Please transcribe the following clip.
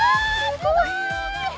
怖い！